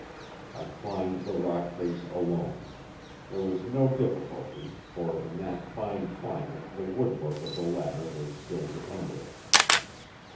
"I climbed the rock face alone. There was no difficulty, for in that fine climate the woodwork of the ladder was still dependable.